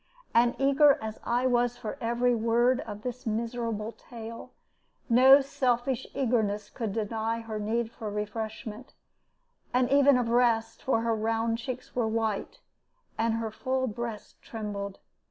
And eager as I was for every word of this miserable tale, no selfish eagerness could deny her need of refreshment, and even of rest; for her round cheeks were white, and her full breast trembled.